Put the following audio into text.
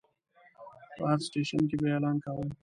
په هر سټیشن کې به یې اعلان کاوه.